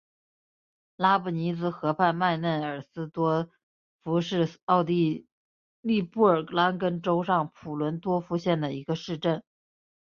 拉布尼茨河畔曼内尔斯多夫是奥地利布尔根兰州上普伦多夫县的一个市镇。